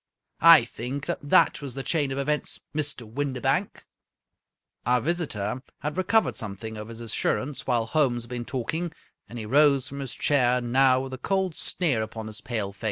I think that that was the chain of events, Mr. Windibank !" Our visitor had recovered something of his assurance while Holmes had been talking, and he rose from his chair now with a cold sneer upon his pale face.